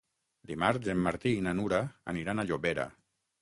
Dimarts en Martí i na Nura aniran a Llobera.